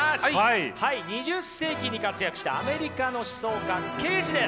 ２０世紀に活躍したアメリカの思想家ケージです。